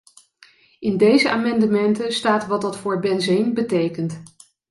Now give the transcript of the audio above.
In deze amendementen staat wat dat voor benzeen betekent.